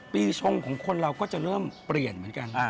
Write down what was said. ปีชงของคนเราก็จะเริ่มเปลี่ยนเหมือนกัน